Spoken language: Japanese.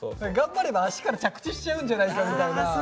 頑張れば足から着地しちゃうんじゃないかみたいな。